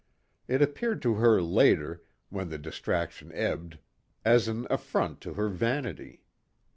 It appeared to her later, when the distraction ebbed, as an affront to her vanity.